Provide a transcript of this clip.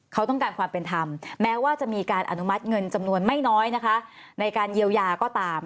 เขาต้องการความเป็นธรรมแม้ว่าจะมีการอนุมัติเงินจำนวนไม่น้อยนะคะในการเยียวยาก็ตาม